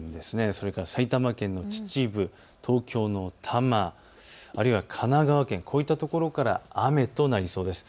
それから埼玉県の秩父、東京の多摩、あるいは神奈川県、こういったところから雨となりそうです。